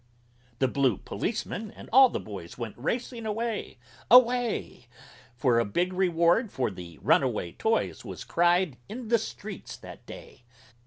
The blue policeman and all the boys Went racing away away! For a big reward for the runaway Toys Was cried in the streets that day.